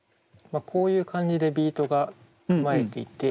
こういう感じでビートが組まれていて。